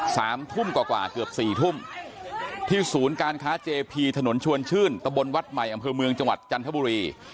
สามทุ่มกว่ากว่าเกือบสี่ทุ่มที่ศูนย์การค้าเจพีถนนชวนชื่นตะบนวัดใหม่อำเภอเมืองจังหวัดจันทบุรี